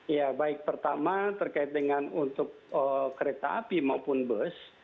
ya baik pertama terkait dengan untuk kereta api maupun bus